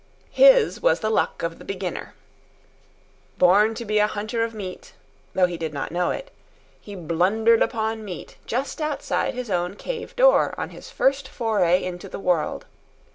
His was the luck of the beginner. Born to be a hunter of meat (though he did not know it), he blundered upon meat just outside his own cave door on his first foray into the world.